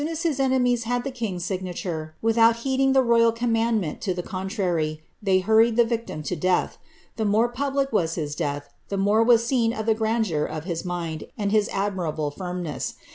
1 as his enemies had the king^s signature, without heeding ommandment to the contrary, they hurried the Tictim to I more public was his death, the more was seen of the gran mind and his admirable firmness.